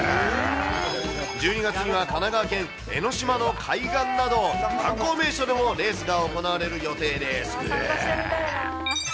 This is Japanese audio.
１２月には神奈川県江の島の海岸など、観光名所でもレースが行われる予定です。